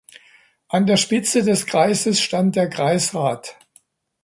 An der Spitze des Kreises stand der Kreisrat.